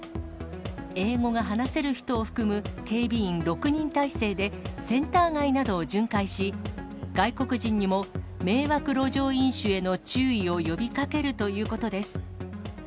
英語が話せる人を含む警備員６人態勢で、センター街などを巡回し、外国人にも迷惑路上飲酒への注意を呼びかけるということです。